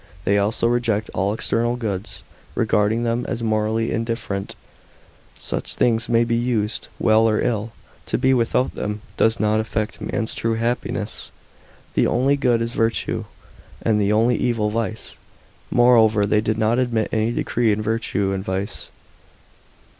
They also reject all external goods, regarding them as morally " indifferent." f Such things may be used well or ill ; to be without them does not affect a man's true happiness. The only good is virtue ; and the only evil vice. Moreover, they did not admit any decree in virtue and vice.